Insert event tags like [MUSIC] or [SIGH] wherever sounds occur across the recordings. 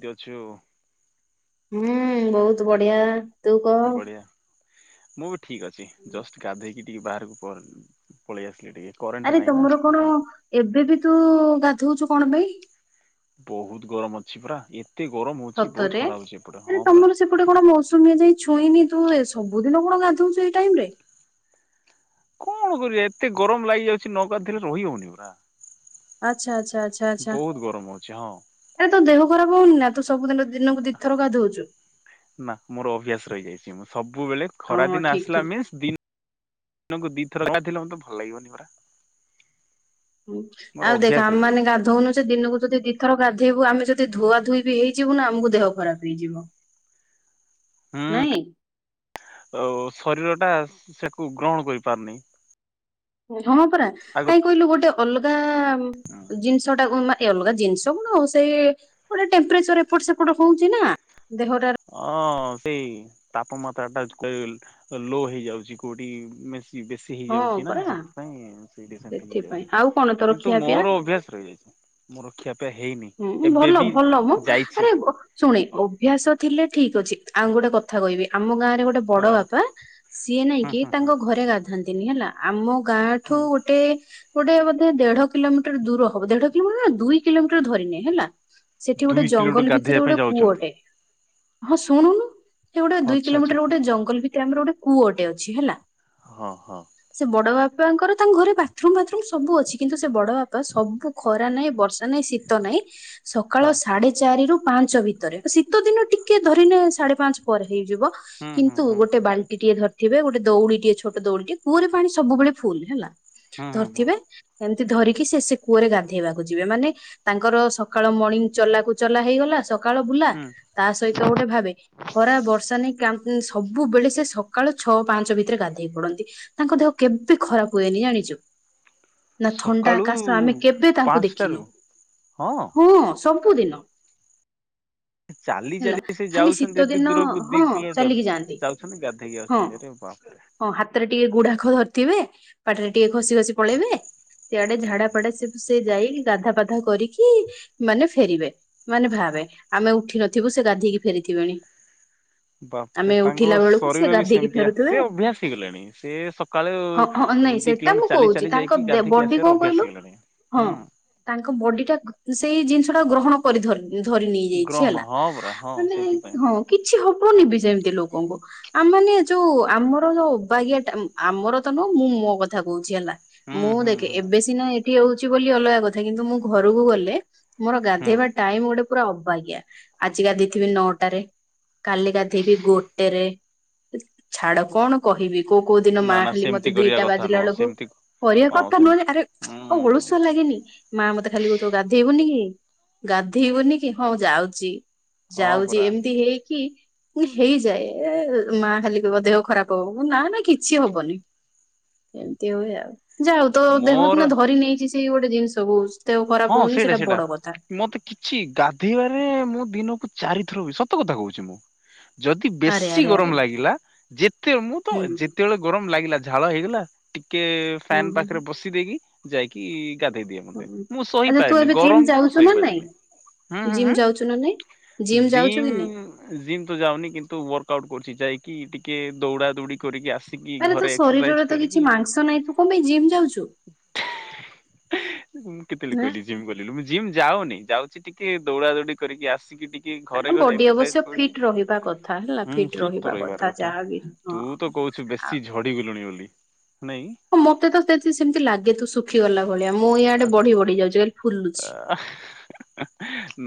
ତୁ ଅଛୁ। ହୁଁ ବହୁତ ବଢିଆ। ତୁ କହ ବଢ଼ିଆ ମୁଁ ବି ଠିକ୍ ଅଛି ଜଷ୍ଟ ଗାଧୋଇକି ଟିକେ ବାହାରକୁ ପର ପଳେଇ ଆସିଲେ ଟିକେ କରେଣ୍ଟ ଆରେ ନାହିଁ ନା ତମର କଣ ଏଠି ଏବେ ବି ତୁ ଗାଧଉଛୁ କଣ ପାଇଁ ବହୁତ ଗରମ ଅଛି ପରା ଏତେ ଗରମ ହଉଛି ବହୁତ ସତରେ? ଖରାପ ହଉଛି ଏପଟେ ଆରେ ହଁ ପରା ତମର ସେପଟେ କଣ ମୌସୁମୀ ଏଯାଏ ଛୁଇନି ତୁ ସବୁଦିନ କଣ ଗାଧଉଛୁ ଏଇ ଟାଇମ ରେ କଣ ହବରେ ଏତେ ଗରମ ଲାଗିଯାଉଛି ନଗାଧାଇଲେ ରହି ହଉନି ପରା ଆଚ୍ଛା ଆଚ୍ଛା ଆଛା ବହୁତ ଗରମ ଅଛି ହଁ ଆରେ ତୋ ଦେହ ଖରାପ ହଉନି ନା ତୁ ସବୁଦିନ ଦିନକୁ ଦିଇଥର ଗାଧଉଛୁ ନା ମୋର ଅଭ୍ୟାସ ରହିଯାଇଛି ମୁଁ ସବୁବେଳେ ହଁ ଖରା ଦିନ ଠିକ ଆସିଲା ଠିକ। ମିନ୍ସ ଦି ଦିନକୁ ଦିଥର ଗାଧେଇଲେ ମତେ ଭଲ ଲାଗିବନି ପରା ହୁଁ ମୋର ଆଉ ଦେଖ ଅଭ୍ୟାସ ଆମ ମାନେ ହେଇଯାଇଛି ହୁଁ ଗାଧଉନୁ ସେ ଦିନକୁ ଯଦି ଦିଥର ଗାଧେଇବୁ ଆମେ ଯଦି ଧୁଆ ଧୁୋଇ ବି ହେଇଯିବୁ ନା ଆମକୁ ଦେହ ଖରାପ ହେଇଯିବ। ହ ହୁଁ ଶରୀର ଟା ସେକୁ ଗ୍ରହଣ କରିପାରୁନି। ହଁ ପରା କାଇଁ କହିଲୁ ଗୋଟେ ଅଲଗା ଆଗ ଜିନିଷ ଟା କୁ ମା ଅଲଗା ଜିନିଷ କଣ ଆଉ ସେ ଗୋଟେ ଟେମ୍ପଚର ଏପଟ ସେପଟ ହଉଛି ନା ଦେହଟାର ହଁ ସେଇ ତାପମାତ୍ରା ଟା [UNINTELLIGIBLE] ଲୋ ହେଇଯାଉଛି କୋଉଠି ମେଶି ବେଶୀ ହଁ ହେଇଯାଉଛି ନା ପରା ସେଥିପାଇଁ ସେଠି ସେମତି ସେଥିପାଇଁ ହେଇଯାଉଛି ଆଉ କଣ ତୋର କିନ୍ତୁ ଖିଆ ପିଆ ମୋର ଅଭ୍ୟାସ ରହିଯାଇଛି। ମୋର କ୍ଷିଆପିଆ ହେଇନି। ହୁଁ ଏବେ ଭଲ ବି ଭଲ ମ ଯାଇଛି ଆରେ ଵ ଶୁଣେ ଅଭ୍ୟାସ ଥିଲେ ଠିକ ଅଛି ଆଉ ଗୋଟେ କଥା କହିବି ଆମ ଗାଁ ରେ ଗୋଟେ ବଡ ହଁ ବାପା ସିଏ ହୁଁ ନାଇକି ହୁଁ ହୁଁ। ତାଙ୍କ ଘରେ ଗାଧାନ୍ତିନି ହେଲା ଆମ ଗାଁ ଠୁ ହୁଁ ଗୋଟେ ଗୋଟେ ଗୋଟେ ବୋଧେ ଦେଢ କିଲୋମିଟର ଦୂର ହବ ଦେଢ କିଲୋମିଟର ନା ଦୁଇ କିଲୋମିଟର ଧରିନେ ହେଲା ସେଠି ଗୋଟେ ଦୁଇ କିଲୋମିଟର ଜଙ୍ଗଲ ଭିତରେ ଗାଧେଇବା ପାଇଁ ଗୋଟେ କୂଅ ଯାଉଛନ୍ତି ଅଟେ ହଁ ଶୁଣୁନୁ ସେ ଗୋଟେ ଦୁଇ ଆଚ୍ଛା ଆଚ୍ଛା କିଲୋମିଟର ଗୋଟେ ଜଙ୍ଗଲ ଭିତରେ ଆମର ଗୋଟେ କୂଅଟେ ଅଛି ହେଲା। ହଁ ହଁ। ସେ ବଡ ବାପାଙ୍କର ତାଙ୍କ ଘରେ ବାଥରୁମ ଫାଥରୁମ ସବୁ ଅଛି। କିନ୍ତୁ ସେ ବଡ ବାପା ସବୁ ଖରା ନାହିଁ ବର୍ଷା ନାହିଁ ଶୀତ ନାହିଁ ସକାଳ ହଁ ସାଢେ ଚା ଚାରି ରୁ ପାଞ୍ଚ ଭିତରେ ଶୀତ ଦିନ ଟିକେ ଧରିନେ ସାଢେ ପାଞ୍ଚ ପରେ ହେଇଯିବ ହୁଁ ହୁଁ କିନ୍ତୁ ହୁଁ ଗୋଟେ ବାଲ୍ ଟିଏ ଧରିଥିବେ ଗୋଟେ ଦୋଉଡି ଟିଏ ଛୋଟ ଦୋଉଡି ଟିଏ କୂଅରେ ପାଣି ସବୁବେଳେ ଫୁଲ୍ ହେଲା। ହୁଁ ହୁଁ ହୁଁ ଧରଥିବେ ଏମିତି ଧରିକି ସେ ସେ କୂଅରେ ଗାଧେଇବାକୁ ଯିବେ ମାନେ ତାଙ୍କର ସକାଳ ମର୍ଣ୍ଣିଂ ଚଲାକୁ ଚଲା ହେଇଗଲା ସକାଳ ବୁଲା ହୁଁ ତା ସହିତ ଗୋଟେ ଭାବେ ଖରା ବର୍ଷା ନାହିଁ କାମ୍ ଉଁ ସବୁବେଳେ ସେ ସକାଳୁ ଛଅ ପାଞ୍ଚେ ଭିତରେ ଗାଧେଇ ପଡନ୍ତି। ତାଙ୍କ ଦେହ କେବେ ଖରାପ୍ ହୁଏନି ଜାଣିଚୁ? ନା ଥଣ୍ଡା ସକାଳୁ କାଶ ଆମେ କେବେ ତାଙ୍କୁ ପାଞ୍ଚଟାରୁ ଦେଖିନୁ। ହଁ। ହଁ ସବୁଦିନ। ଚାଲି ହେଲା ଚାଲି ସେ ଖାଲି ଶୀତ ଯାଉଛନ୍ତି ଏତେ ଦିନ ଦୂରକୁ ଦି ହଁ କିଲୋ ଚାଲିକି ମିଟର। ଯାଆନ୍ତି ଯାଉଛନ୍ତି ଗାଧେଇକି ହଁ ଆସୁଛନ୍ତି ଆରେ ବାପ୍ ରେ। ହଁ ହାତେରେ ଟିକେ ଗୁଡ଼ାଖୁ ଧରିଥିବେ ପାଟିରେ ଟିକେ ଖସି ଖସି ପଳେଇବେ ସେଆଡେ ଝାଡ଼ା ଫାଡ଼ା ସେ ସେ ଯାଇକି ଗାଧା ପାଧା କରିକି ମାନେ ଫେରିବେ। ମାନେ ଭାବେ ଆମେ ଉଠି ନଥିବୁ ସେ ଗାଧେଇକି ଫେରିଥିବେଣି। ବାପ୍ ରେ ଆମେ ତାଙ୍କର ଉଠିଲା ବେଳକୁ ସେ ଶରୀର ବି ଗାଧେଇକି ସେମିତିଆ ଫେରୁଥିବେ। ସେ ଅଭ୍ୟାସ ହେଇଗଲେଣି। ସେ ସକାଳୁ ହଁ ହଁ ନାଇଁ ଦି ସେଟା କିଲୋ ମୁଁ ମିଟର ଚାଲି କହୁଛି ଚାଲି ତାଙ୍କ ଯାଇକି ଗାଧେଇକି ବଡି ଆସିବାର କଣ ଅଭ୍ୟାସ କହିଲୁ ହେଇଗଲେଣି ହଁ ହୁଁ। ତାଙ୍କ ବଡ଼ି ଟା ଘ୍ ସେଇ ଜିନିଷ ଟା ଗ୍ରହଣ କରି ଧରି ଧରି ନେଇ ଯାଇଛି ଗ୍ରହଣ ହେଲା। ହଁ ପରା ହଁ ମାନେ ସେଇଥିପାଇଁ ହଁ କିଛି ହବନି ବି ସେମିତି ଲୋକଙ୍କୁ। ଆମେ ମାନେ ଯୋଉ ଆମର ଯୋଉ ଅବାଗିଆ ଟାମ୍ ଆମର ତ ନୁ ମୁଁ ମୋ କଥା କହୁଛି ହେଲା। ହୁଁ ମୁଁ ହୁଁ ଦେଖେ ହୁଁ ଏବେ ସିନା ଏଠି ରହୁଛି ବୋଲି ଅଲଗା କଥା କିନ୍ତୁ ମୁଁ ଘରକୁ ଗଲେ ମୋର୍ ହୁଁ। ଗାଧେଇବା ଟାଇମ୍ ଗୋଟେ ପୁରା ଅବାଗିଆ ଆଜି ଗାଧେଇଥିବି ନଅ ଟାରେ କାଲି ଗାଧେଇବି ଗୋଟେ ରେ ଇସ୍ ଛାଡ଼ କଣ କହିବି କୋଉ କୋଉ ଦିନ ନା ମା ନା ଖାଲି ସେମିତି ମୋତେ କରିବା ଦିଇଟା କଥା ବାଜିଲା ନୁହଁ ବେଳୁକୁ ସେମିତି କରିବା ହଁ କଥା ନୁହେଁ ସେମିତି ଯେ ଆରେ ଆଉ ଅଳସୁଆ ହୁଁ ଲାଗେନି। ମା ମୋତେ ଖାଲି କହୁଥିବ ଗାଧେଇବୁନି କି ଗାଧେଇବୁନି କି ହଁ ମୁଁ ଯାଉଚି। ହଁ ଯାଉଚି ପରା ଏମିତି ହେଇକି ହେଇଯାଏ ଏ, ମା ଖାଲି କହିବ ଦେହ ଖରାପ ହବ। ମୁଁ କହିବି ନା ନା କିଛି ହବନି। ଏମିତି ହୁଏ ଆଉ। ଯାହା ହୋଉ ତୋ ଦେହ ମୋର ସିନା ଧରି ନେଇଚି ସେଇ ଗୋଟେ ଜିନିଷକୁ। ଦେହ ଖରାପ ହୋଉନି ସେଟା ବଡ଼ କଥା। ଛି ଗାଧେଇବାରେ ମୁଁ ଦିନକୁ ଚାରିଥର ବି ସତ କଥା କହୁଛି ମୁଁ। ଯଦି ଆରେ ବେଶୀ ଆରେ ଆରେ ଗରମ ଲାଗିଲା, ଯେତେ ମୁଁ ତ ହୁଁ ଯେତେବେଳେ ଗରମ ଲାଗିଲା ଝା ଝାଳ ହେଇଗଲା ଟିକେ ହୁଁ ଫ୍ୟାନ୍ ହୁଁ ପାଖରେ ବସି ଦେଇକି ଯାଇକି ଗାଧେଇ ଦିଏ ମୋତେ। ହୁଁ। ମୁଁ ସଇ ଆଚ୍ଛା ତୁ ପାରେନି ଏବେ ଜିମ୍ ଗରମକୁ ମୁଁ ଯାଉଛୁ ସଇ ନା ନାଇଁ ପାରେନି। ହୁଁ, ହୁଁ, ଜିମ୍ ଯାଉଛୁ ନା ନାଇଁ? ହୁଁ ଯାଉଛୁ କି ଜିମ୍ ନାଇଁ? ଜିମ୍ ତ ଯାଉନି କିନ୍ତୁ ୱାର୍କ ଆଉଟ୍ କରୁଛି। ଯାଇକି ଟିକେ ଦୌଡ଼ା ଦୌଡି କରିକି ଆସିକି ଆରେ ତୋ ଘରେ ଏକ୍ସରସାଇଜ ଶରୀରରେ ତ କରିକି କିଛି ମାଂସ ନାହିଁ ତୁ କଣ ପାଇଁ ଜିମ୍ ଯାଉଛୁ? ଏମିତି ତ ଖାଲି ହାଁ କହିଲି ଜିମ୍ ଗଲିବୋଲି, ମୁଁ ଜିମ୍ ଯାଉନି, ଯାଉଛି ଟିକେ ଦୌଡ଼ା ଦୌଡି କରିକି ଆସିକି ଟି କି ଘରେ ଆଲୋ ଘରେ ବଡି ଏକ୍ସର୍ସାଇଜ୍ ଅବଶ୍ୟ କରୁଛି। ଫିଟ୍ ରହିବା କଥା ହେଲା ହୁଁ ଫିଟ୍ ରହିବା ତ ରହିବାର କଥା। ଯାହାବି ହଁ। ତୁ ତ କହୁଛୁ ବେଶୀ ଝଡ଼ି ଗୁଲୁଣି ବୋଲି ନାଇଁ। ହଁ ମୋତେ ତ ସେଠି ସେମିତି ଲାଗେ ତୁ ଶୁଖିଗଲା ଭଳିଆ। ମୁଁ ୟାଆଡେ ବଢି ବଢି ଯାଉଛି। [INAUDIBLE] ଅ,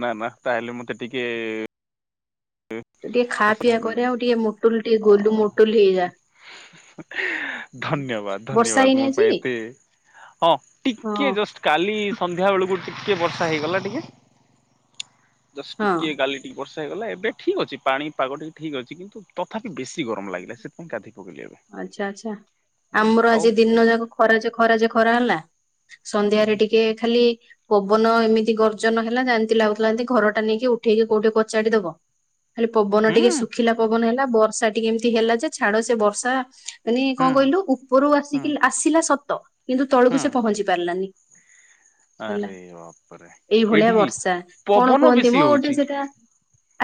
ନା ନା ତାହେଲେ ମୋତେ ଟିକେ ତୁ ଟିକେ ଖା ପିଆ କରେ ଆଉ ଟିକେ ମୋଟୁଲ୍ ଟିକେ ଗୋଲୁ ମୋଟୁଲ୍ ହେଇଯା। ଧନ୍ୟବାଦ୍ ବର୍ଷା ଧନ୍ୟବାଦ୍ ହେଇନି ମୋ ଆଜି? ପାଇଁ ଏତେ, ହଁ ହଁ ଟିକିଏ ଜଷ୍ଟ୍ କାଲି ସନ୍ଧ୍ୟା ବେଳୁକୁ ଟିକେ ବର୍ଷା ହେଇଗଲା ଟିକେ। ଜଷ୍ଟ୍ ହଁ। ଟିକିଏ କାଲି ଟିକେ ବର୍ଷା ହେଇଗଲା, ଏବେ ଠିକ୍ ଅଛି ପାଣି ପାଗ ଟିକେ ଠିକ୍ ଅଛି। କିନ୍ତୁ ତଥାପି ବେଶୀ ଗରମ ଲାଗିଲା ସେଥିପାଇଁ ଗାଧେଇ ପକେଇଲି ଏବେ। ଆଚ୍ଛା ଆଚ୍ଛା ଉଁ, ଆମର ଆଜି ଆଉ ତୁ ଦିନ ଯାକ ଖରା ଯେ ଖରା ଯେ ଖରା ହେଲା ସନ୍ଧ୍ୟାରେ ହୁଁ ଟିକେ ଖାଲି ପବନ ଏମିତି ଗର୍ଜନ ହେଲା ଯେମିତି ଲାଗୁଥିଲା ଏମିତି ଘରଟା ନେଇକି ଉଠେଇକି କୋଉଠି କଚାଡ଼ି ଦବ। ଖାଲି ପବନ ଟିକେ ହୁଁ ଶୁଖିଲା ପବନ ହେଲା, ବର୍ଷା ଟିକେ ଏମିତି ହେଲା ଯେ ଛାଡ ସେ ବର୍ଷା। ମାନେ କଣ କହିଲୁ ହୁଁ ଉପରୁ ଆସିକି ଆସିଲା ସତ। କିନ୍ତୁ ତଳକୁ ହୁଁ ସେ ପହଞ୍ଚି ପାରିଲାନି। ହେଲା ଆରେ ବାପରେ ଏଇଭଳିଆ ଏଇଠି ବି ବର୍ଷା, କଣ ପବନ କୁହନ୍ତି ବେଶୀ ମୋ ଗୋଟେ ହଉଛି ସେଟା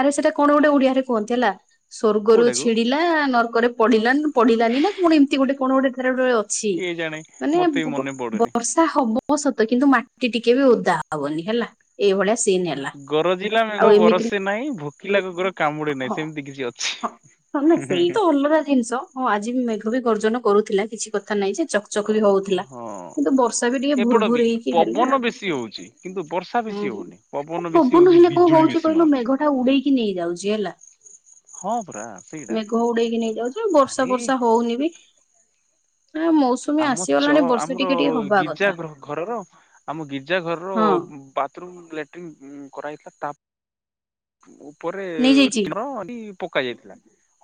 ଆରେ ସେଟା କଣ ଗୋଟେ ଓଡିଆରେ କୁହନ୍ତି ହେଲା, ସ୍ଵର୍ଗ ରୁ ଛି କୋଉଟାକୁ ଲା ନର୍କରେ ପଡିଲାନ ପଡିଲାନି ନା କଣ ଏମିତି ଗୋଟେ କଣ ଗୋଟେ ତାର ଗୋଟେ ଅ ଛି କିଏ ଜାଣେ ମାନେ ମତେ ବି ବୁଗ ମନେ ପଡୁନି। ବର୍ଷ ଷା ହବ ସତ କିନ୍ତୁ ମାଟି ଟିକେ ବି ଓଦା ହବନି ହେଲା। ଏଇଭଳିଆ ସିନ୍ [INAUDIBLE] ଗରଜିଲା ଆଉ ମେଘ ଏମିତିରେ ବରଷେ ନାଇଁ ଭୋକିଲା କୁକୁର କାମୁଡି ନାହିଁ ହଁ ସେମିତି କିଛି ଅଛି। ହଁ। ହଁ ନାଇଁ ହୁଁ, ହୁଁ। [INAUDIBLE] ଜିନିଷ ହଁ ଆଜି ମେଘ ବି ଗର୍ଜନ କରୁଥିଲା କିଛି କଥା ନାଇଁ ଯେ। ଚକ୍ ଚକ୍ ବି ହଉଥିଲା, ହୁଁ ହୁଁ। କିନ୍ତୁ ବର୍ଷା ବି ଟିକେ ଏପଟ ବି ଭୁଡୁଭୁରୁ ହେଇକି ପବନ ହେଲା। ବେଶୀ ହଉଛି କିନ୍ତୁ ବର୍ଷା ଅଁ, ବେଶୀ ହଁ ହଉନି ଆରେ ବେଶୀ ପବନ ହଉଛି ହେଲେ କଣ ବିଜୁଳି ହଉଛି ବେଶୀ କହିଲୁ ମାରୁଛି। ମେଘଟା ଉଡେଇକି ନେଇଯାଉ ବୁଝିହେଲା? ହଁ ପରା ସେଇଟା ମେଘ ଉଡେଇକି ନେଇଯାଉଛି ଆଉ ବର୍ଷା ଆରେ ଫର୍ଷା ହୋଉ ହୋଉନିବି ଆ, ମୌସୁ ଆମ ଚ- ଆମର ଗିର୍ଜା ଗ୍ରହ ଘରର ଆମ ଗିର୍ଜା ଘରର ହଁ ବା ଥ୍ରୁମ୍ ଲେଟିନ୍ ଉଁ, କରାହେଇଥିଲା। ତା ଉପରେ ନେଇଯାଇଛି [INAUDIBLE] ପକା ଯାଇଥିଲା,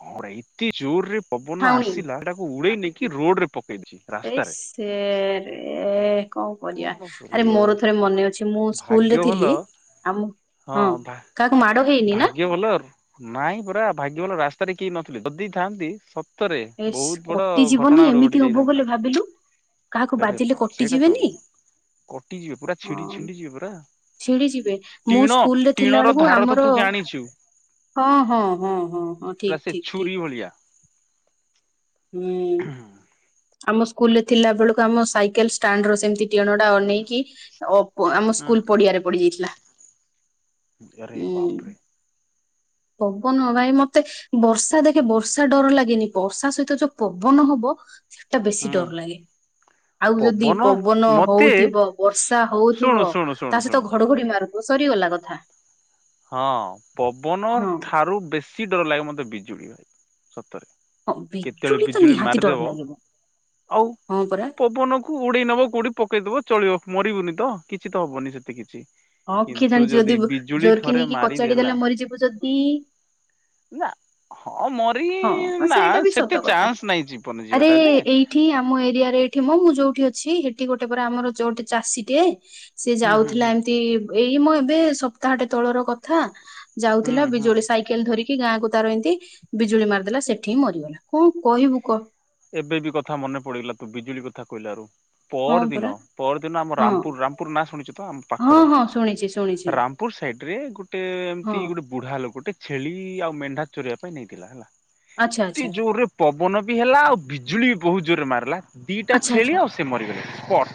ହଁ ରେ ଏତେ ଜୋରରେ ପବନ ଠାଉଣି ଆସିଲା ସେଟାକୁ ଉଡେଇ ନେଇକି ରୋଡ୍ ରେ ପକେଇଛି। ଏଇ ସେ ରେ କଁ କରିଆ? କଣ ଆରେ କରିବୁ ଆଉ ମୋର ଥରେ ମନେ ଅଛି ମୁଁ ସ୍କୁଲରେ ଭାଗ୍ୟ ଭଲ ଥିଲି ଆମକୁ ହଁ କାହାକୁ ମାଡ଼ ହେଇନି ନା? ଭାଗ୍ୟ ଭଲ ନାଇଁ ପରା ଭାଗ୍ୟ ଭଲ ରାସ୍ତାରେ କେହି ନଥିଲେ ଯଦି ଥାଆନ୍ତି ସତରେ ଏସ୍ ବହୁତ ବଡ କଟି ଘଟଣା ଯିବନି ଗୋଟେ ଘଟି ଏମିତି ହବ ଯାଇଥାନ୍ତା ବୋଲି ଭାବିଲୁ। କାହାକୁ ଆରେ ବାଜିଲେ ବାପ ସେଇଟା ତ କଟିଯିବେନି। କଟିଯିବେ ପୁରା ହଁ ଛିଡି ଛିଣ୍ଡି ଯିବେ ପୁରା ଛିଡ଼ି ଯିବେ ମୁଁ ଟିଣ ସ୍କୁଲ୍ ରେ ଥିଲା ଟିଣର ବେଳକୁ ଧାର ତ ଆମର ତୁ ଜାଣିଛୁ ହଁ ହଁ ହଁ ହଁ ହଁ ପୁରା ଠିକ୍ ସେ ଠିକ୍ ଠିକ୍। ଛୁରୀ ଭଳିଆ ହୁଁ। ଆମ ସ୍କୁଲ୍ ରେ ଥିଲା ବେଳକୁ ଆମ ସାଇକେଲ ଷ୍ଟାଣ୍ଡ୍ ର ସେମିତି ଟିଣ ଟା ଅନେଇକି ଅ ପୁ ଆମ ସ୍କୁଲ୍ ପଡ଼ିଆରେ ପଡ଼ି ଯାଇଥିଲା। ଏରେ ବାପରେ। ହବ ନୁଅଁ ଭାଇ ମତେ ବର୍ଷା ଦେଖେ ବର୍ଷା ଡ଼ର ଲାଗେନି ବର୍ଷା ସହିତ ଯୋଉ ପବନ ହବ ସେଟା ହୁଁ ବେଶୀ ଡ଼ର ଲାଗେ। ଆଉ ଯଦି ପବନ ମତେ ହଉଥିବ ବର୍ଷା ଶୁଣୁ ହଉଥିବ ଶୁଣୁ ଶୁଣୁ ତା ସହିତ ଶୁଣୁ ଘଡ଼ଘଡ଼ି ମାରୁ ସରିଗଲା କଥା। ହଁ ପବନ ହଁ ଠାରୁ ବେଶୀ ଡ଼ର ଲାଗେ ମତେ ବିଜୁଳି ସତରେ। ହଁ କେତେବେଳେ ତ ବିଜୁଳି ନିହାତି ଡର ମାରିଦେବ ଲାଗିବ ଆଉ ହଁ ପରା ପବନକୁ କୁ ଉଡ଼େଇ ନବ କୋଉଠି ପକେଇଦବ ଚଳିବ ମରିବୁନି ତ କିଛି ତ ହବନି ସେତେ କିଛି। ହଁ କିଏ କିନ୍ତୁ ଜାଣିଛି ଯଦି ବିଜୁଳି ଜୋର କି ଥରେ ନେଇକି କଚାଡ଼ି ମାରିଦେଲା ଦେଲେ ମରିଯିବୁ ଯଦି? ନା ହଁ ମରି ହଁ ନା ସେଇଟା ବି ସତ ସେତେ ଚାନ୍ସ ନାଇଁ ଜୀବନ ଯିବା ଟା ଯେ। ଠି ଆମ ଏରିଆରେ ଏଠି ମ ମୁଁ ଯୋଉଠି ଅଛି ହେଟି ଗୋଟେ ପରା ଆମର ଯୋଉଠି ଚାଷୀଟିଏ ସିଏ ହୁଁ ହୁଁ ଯାଉଥିଲା ହୁଁ। ଏମିତି ଏଇ ମୋ ଏବେ ସପ୍ତାହଟେ ତଳର କଥା। ହୁଁ ଯାଉଥିଲା ହୁଁ ବିଜୁଳି ସାଇକେଲ ଧରିକି ଗାଁକୁ ତାର ଏନ୍ତି ବିଜୁଳି ମାରଦେଲା ସେଠି ହିଁ ମରିଗଲା କଣ କହିବୁ କହ। ଏବେ ବି କଥା ମନେ ପଡ଼ିଗଲା ତୁ ବିଜୁଳି କଥା କହିଲାରୁ। ହଁ ପଅର୍ ପରା ଦିନ ପଅର୍ ଦିନ ଆମ ହଁ ରାମପୁର୍ ରାମପୁର୍ ନାଁ ଶୁଣିଛ ତ ଆମ ପା ହଁ ହଁ ଶୁଣିଛି ଶୁଣିଛି। ରାମପୁର ସାଇଡ଼୍ ରେ ଗୋଟେ ହଁ ଏମିତି ଗୋଟେ ବୁଢ଼ା ଲୋକଟେ ଛେଳି ଆଉ ମେଣ୍ଢା ଚରେଇବା ପାଇଁ ନେଇଥିଲା ହେଲା ଆଚ୍ଛା ଏଠି ଆଚ୍ଛା ଜୋରେ ପବନ ବି ହେଲା ଆଉ ବିଜୁଳି ବି ବହୁତ୍ ଜୋରେ ମାରଲା। ଦିଟା ଆଚ୍ଛା ଛେଳି ଆଚ୍ଛା ଆଉ ସେ ମରିଗଲେ ସ୍ପଟ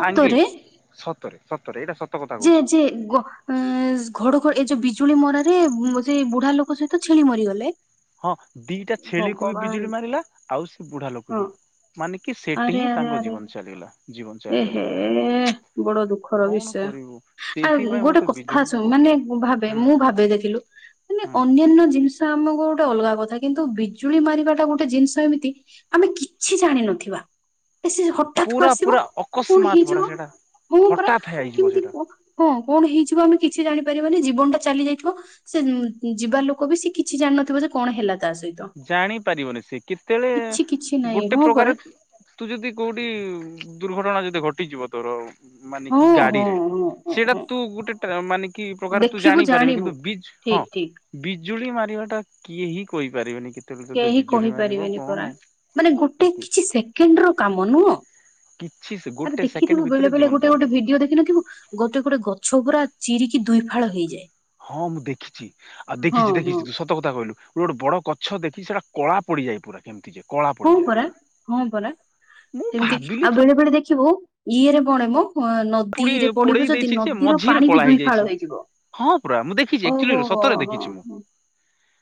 ସାଙ୍ଗେ ସତରେ ସତରେ ଏଇଟା ସତକଥା। ଯେ ଯେ ଗ ଅଁ ଘଡ଼ ଘ ଏଇ ଯୋଉ ବିଜୁଳି ମରାରେ ସେ ବୁଢ଼ା ଲୋକ ସହିତ ଛେଳି ମରିଗଲେ। ହଁ ଦିଟା ଛେଳିକୁ ବି ବିଜୁଳି ଭଗବାନ ମାରିଲା, ଆଉ ସେ ବୁଢ଼ା ଲୋକ ହଁ ବି। ମାନେ କି ସେଠି ଆରେ ହିଁ ଆରେ ତାଙ୍କ ଆରେ ଜୀବନ ଚାଲିଗଲା ଜୀବନ ଏ ହେ ଚାଲିଗଲା ୟାର୍। କଣ କରିବୁ? ଆ ଗୋଟେ କଥା ବିଜୁଳି ବି ଶୁ ବହୁତ ମାନେ ଡର ଭାବେ ହୁଁ ମୁଁ ଭାବେ ଦେଖିଲୁ ମାନେ ହୁଁ ଅନ୍ୟ ନ୍ୟ ଜିନିଷ ଆମକୁ ଗୋଟେ ଅଲଗା କଥା କିନ୍ତୁ ବିଜୁଳି ମାରିବାଟା ଗୋଟେ ଜିନିଷ ଏମିତି ଆମେ କିଛି ଜାଣିନଥିବା ଏ ସେ ହ ଟାକ୍ କୁ ପୁରା ଆସିବ ପୁରା କଣ ଅକସ୍ମାତ ପରା ହେଇଯିବ ସେଇଟା ହଁ ପରା ହଠାତ୍ ହେଇଯିବ କେମିତି ସେଇଟା କ ହଁ କଣ ହେଇଯିବ ଆମେ କିଛି ଜାଣିପାରିବାନି ଜୀବନ ଟା ଚାଲି ଯାଇଥିବ। ସେ ଯିବା ଲୋକ ବି ସେ କିଛି ଜାଣିନଥିବ ଯେ କଣ ହେଲା ତା ସହି ଜାଣି ପାରିବନି ସେ କେତେଏଳେ କିଛି ନାହିଁ ଗୋଟେ ହଁ ପରା ପ୍ରକାର ତୁ ଯଦି କୋଉଠି ଦୁର୍ଘଟଣା ଯଦି ଘଟିଯିବ ତୋର ମାନେ ହଁ କି ହଁ ଗାଡ଼ିରେ ହଁ ହଁ ସେଇଟା ହଁ ତୁ ଗୁଟେ ଟ୍ରା ମାନେ କି ପ୍ରକାର ତୁ ଜାଣିପାରିବୁ କି ତୁ ବିଜ୍ ଠିକ୍ ଠିକ୍। ବିଜୁଳି ମାରିବା ଟା କିଏ ହି କହିପାରିବେନି କେ କେହି କହିପାରିବେନି ପରା ମାନେ ଗୋଟେ ଏତି କିଛି ସେକେଣ୍ଡର କାମ ନୁହଁ। କିଛି ସୁଗୁ ଆରେ ଦେଖିଥିବୁ ବେଳେ ବେଳେ ଗୋଟେ ଗୋଟେ ଭିଡ଼ିଓ ଦେଖିନଥିବୁ ଗୋଟେ ଗୋଟେ ଗଛ ପୁରା ଚିରିକି ଦୁଇ ଫାଳ ହେଇଯାଏ। ହଁ ମୁଁ ଦେଖିଛି ଆଉ ହଁ ଦେଖିଛି ହଁ ଦେଖିଛି ତୁ ସତ କଥା କହିଲୁ, ଗୋଡ଼ ବଡ଼ ଗଛ ଦେଖିଚି ସେଟା କଳା ପଡ଼ିଯାଏ ପୁରା କେମିତି ଯେ କଳା ହଁ ପଡ଼ିଯାଏ ପରା ପୁରା। ହଁ ପରା। ମୁଁ ସେମିତି ଭାବିଲି ଆଉ ଥରେ ବେଳେ ବେଳେ ଦେଖିବୁ ଇଏରେ ପଡ଼େ ମ ହଁ ନ ଦି ପୋଡି ରେ ପୋଡେଇ ପଡ଼ିବୁ ଯଦି ଦେଇଛି ଯେ ନଦୀର ମଝିରେ ପାଣି ବି କଳା ହେଇଯାଇଛି ଦୁଇଫାଳ ହେଇଯିବ। ହଁ ପୁରା ମୁଁ ଦେଖିଛି ଓହୋ ଆକ୍ଚୁଆଲି ହୋ ସତରେ ହୋ ଦେଖିଛି ମୁଁ ହୋ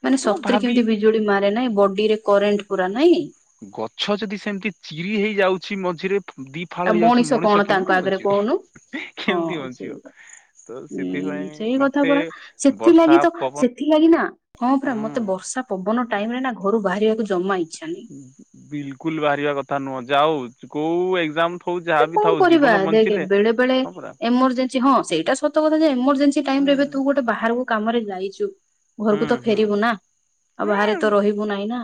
ମାନେ ତ ମୁଁ ସତରେ ଭାବି କେମିତି ବିଜୁ ଯୋଡ଼ି ମାରେ ନାହିଁ ବଡ଼ିରେ କରେଣ୍ଟ ପୁରା ନାହିଁ। ଗଛ ଯଦି ସେମତି ଚିରି ହେଇ ଯାଉଛି ମଝିରେ ଦି ଆଉ ଦିଫାଳ ହେଇଯାଉଛି କଣ ମଣିଷ ତାଙ୍କ କେମିତି ଆଗରେ ବଞ୍ଚିବ କହୁନୁ କେମିତି ବଞ୍ଚିବ? ତ ଉୁଁ ସେଥିପାଇଁ ସେଇ କଥା ମତେ ପରା ବର୍ଷା ସେଥିଲାଗି ତ ପବନ ସେଥିଲାଗି ନା ହଁ ପରା ହୁଁ ମତେ ବର୍ଷା ପବନ ଟାଇମରେ ନା ଘରୁ ବାହାରିବାକୁ ଜମା ଇଚ୍ଛା ନାହିଁ। ବିଲକୁଲ୍ ବାହାରିବା କଥା ନୁହଁ। ଯାଉ କୋଉ ଏକଜାମ୍ ସେ କଣ କରିବା ଦେଖ୍ ବେଳେ ବେଳେ ହଁ ପରା ଏମରଜେ ହଁ ସେଇଟା ସତ କଥା ଯେ ଏମରଜେନ୍ସି ଟାଇମରେ ହୁଁ ଏବେ ତୁ ଗୋଟେ ବାହାରକୁ କାମରେ ଯାଇଛୁ। ଘରକୁ ହୁଁ ତ ହୁଁ ଫେରିବୁ ନା ଆଉ ବାହାରେ ହୁଁ ତ ରହିବୁ ନାହିଁ ନା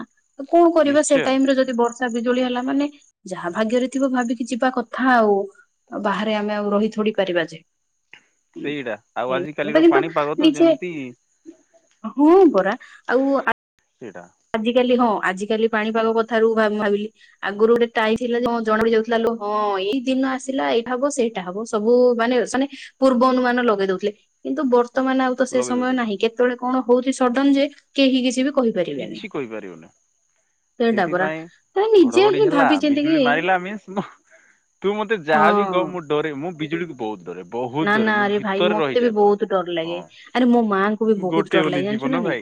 କଣ କରିବା ସେ ନିଶ୍ଚୟ ଟାଇମରେ ଯଦି ବ ସା ବିଜୁଳି ହେଲା ମାନେ ଯାହା ଭାଗ୍ୟରେ ଥିବ ଭାବିକି ଯି ବା କଥା ଆଉ ବାହାରେ ଆମେ ଆଉ ରହି ଥୋଡିପାରିବା କି? ସେଇଟା ଆଉ ମୁଁ ଆଜିକାଲିର କହିଲି ତ ପାଣିପାଗ ନିଜେ ଯେମିତି ହଁ ପରା ଆଉ ଆ ସେଇଟା ଆଜ କାଲି ହଁ ଆଜିିକାଲି ପାଣିପାଗ କଥାରୁ ଭା ମୁଁ ଭାବିଲି। ଆଗରୁ ଗୋଟେ ଟାଇମ ଥିଲା ଜେ ହଁ ଜଣାପଡ଼ି ଯାଉଥିଲା ଲୋ ହଁ ଏଇ ଦିନ ଆସିଲା ଏଇ ଭାଗ ସେଇ ଏଟା ହବ ସବୁ ମାନେ ମାନେ ପୂର୍ବ ଅନୁମାନ ଲଗେଇ ଦଉଥିଲେ। କିନ୍ତୁ ବର୍ତ୍ତମାନ ଆଉ ତ ସେ ଲଗେଇ ସମୟ ଦଉଥିଲା ନାହିଁ କେତେବେଳେ କଣ ହଉଛି ସଡନ ଜେ କେହି କିଛି ବି କହିପାରିବେନି। ପାରିବୁନି ସେଇଟା ପରା ସେଥିପାଇଁ ତ ନିଜେ ଘଡଘଡି ହିଁ ହେଲା ଭାବିଚିନ୍ତି କି ବିଜୁଳି ମାରିଲା ମିନସ ମୁଁ ତୁ ମତେ ଯାହାବି ହଁ କହ ମୁଁ ଡରେ ମୁଁ ବିଜୁଳିକୁ ବହୁତ ଡରେ। ବହୁତ ନା ଡରେ ନା ମୁଁ ଆରେ ଭାଇ ଭିତରେ ମତେ ବି ରହିଯାଏ ପୁରା। ବହୁତ ଡର ଲାଗେ ହଁ ଆରେ ମୋ ମାଆଙ୍କୁ ବି ଗୋଟେ ବହୁତ ଡର ବୋଲି ଲାଗେ ଜାଣିଛୁ ଜୀବନ ନା ନାଇଁ? ଭାଇ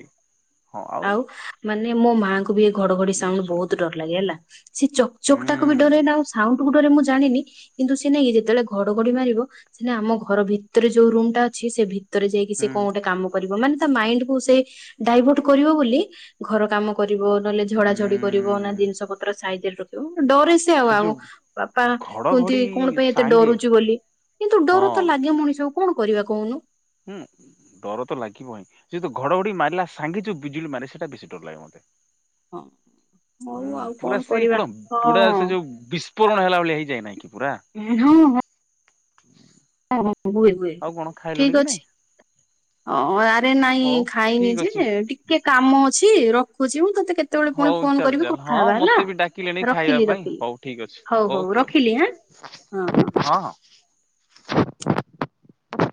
ଆଉ ମାନେ ମୋ ମାଆଙ୍କୁ ବି ଏ ଘଡଘଡି ସାଉଣ୍ଡ ନିଶ୍ଚୟ ବହୁତ ଡର ଲାଗେ ହେଲା ସେ ଚକଚକ ଟା କୁ ହୁଁ। ଡ଼ରେ ନା ଆଉ ସାଉଣ୍ଡ କୁ ଡରେ ରେ ମୁଁ ଜାଣିନି କିନ୍ତୁ ସେ ନାଇଁ ଯେତେବେଳେ ଘଡଘଡି ମାରିବ ସେ ଆମ ଘର ଭିତରେ ଯୋଉ ରୁମଟା ଅଛି ସେ ଭିତରେ ଯାଇକି ସେ ହୁଁ କଣ ଗୋଟେ କାମ କରିବ ମନେ ତା ମାଇଣ୍ଡକୁ ସେ ଡାଇବର୍ଟ କରିବ ବୋଲି ଘର କାମ କରିବ ନ ହେଲେ ଝଡାଝଡି କରିବ ନା ହୁଁ ଜିନିଷ ପତ୍ର ସାଇଜରେ ରଖିବ ଡରେ ସେ ଆଉ ବାପା କୁହନ୍ତି ଘଡଘଡି କଣ ପାଇଁ ଏତେ ସାଙ୍ଗେ ଡରୁଛୁ ବୋଲି? କିନ୍ତୁ ହଁ ଡର ତ ଲାଗେ ମଣିଷ କଣ କରିବା କହୁନୁ। ହୁଁ। ଡର ତ ଲାଗିବ ହହିଁ ଯେହେତୁ ଘଡଘଡି ମାରିଲା ସାଙ୍ଗେ ଯୋଉ ବିଜୁଳି ମାରେ ସେଟା ବେଶୀ ଡର ଲାଗେ ମତେ ହଁ ହୁଁ ହଉ ଆଉ ପୁରା ସେ କରିବା। କଣ ହଁ ପୁରା ସେ ଯୋଉ ବି ପୂରଣ ହେଲା ବଳିଆ ହେଇଯାଇହିଁ କି ପୁରା ହଁ ହଁ। ହଁ ହ ହୁଏ। ଆଉ କଣ ଖାଇଲୁଣି ଠିକ କି ଅଛି ନାଇଁ ହଁ ଆରେ ନାଇଁ ହଉ ଖାଇନି ଠିକ ଯେ ଅଛି। ଟି ଟିକେ କାମ ଅଛି ରଖୁଛି ମୁଁ ତତେ କେତେ ହଉ ଚାଲ ଚାଲ ହଁ ମତେ ବି ଡାକିଲେଣି ଖାଇବା ରଖିଲି ପାଇଁ ରଖିଲି ହଉ ଠିକ ଅଛି ହଉ ହଉ ଓକେ ରଖିଲି ଆଁ ଓକେ। ହଁ।